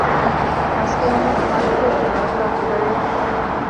މަސް ކެއުމުން ހާޓް އެޓޭކްގެ ނުރައްކާ ކުޑަވޭތަ؟